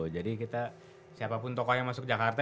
jadi kita siapapun tokoh yang masuk jakarta